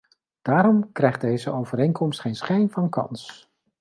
Daarom krijgt deze overeenkomst geen schijn van kans.